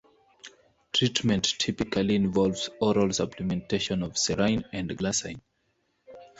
Treatment typically involves oral supplementation of serine and glycine.